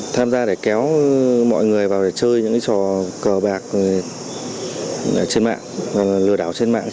tham gia để kéo mọi người vào để chơi những cái trò cờ bạc trên mạng lừa đảo trên mạng